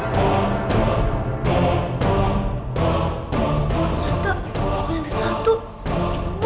kita bisa mengetahui soal ini